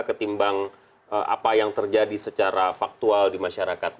ketimbang apa yang terjadi secara faktual di masyarakat